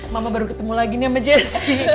mama baru ketemu lagi nih sama jessi